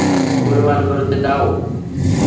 অনুমান করতে দাও।